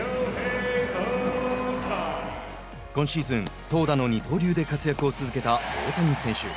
今シーズン、投打の二刀流で活躍を続けた大谷選手。